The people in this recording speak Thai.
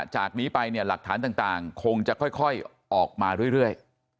จากนี้ไปเนี่ยหลักฐานต่างคงจะค่อยออกมาเรื่อย